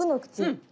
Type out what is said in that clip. うん。